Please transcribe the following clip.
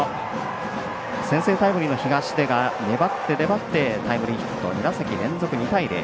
先制タイムリーの東出が粘ってタイムリーヒット２打席連続２対０。